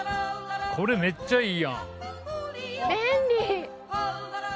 これめっちゃいいやん！